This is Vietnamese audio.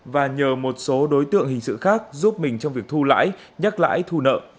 và nhờ một số đối tượng hình sự khác giúp mình trong việc thu lãi nhắc lãi thu nợ